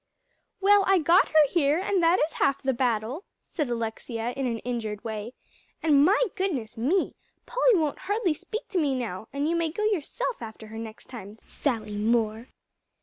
"Well, I got her here, and that is half of the battle," said Alexia, in an injured way; "and my goodness me! Polly won't hardly speak to me now; and you may go yourself after her next time, Sally Moore."